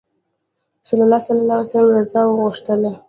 رسول الله ﷺ الله رضا غوښتله.